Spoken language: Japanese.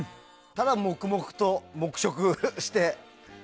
ただ黙々と黙食して。